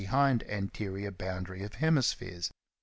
behind anterior boundary of hemispheres.